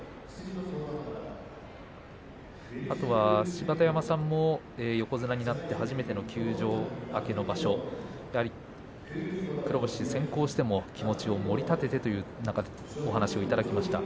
芝田山さんも横綱になって初めての休場黒星先行しても気持ちを盛り立ててというお話も先ほどいただきました。